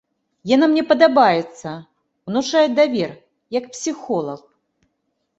Яна мне падабаецца, унушае давер, як псіхолаг.